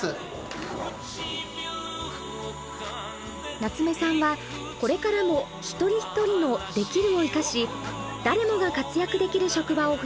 夏目さんはこれからも一人一人の「できる」を生かし誰もが活躍できる職場を増やしていきたいとしています。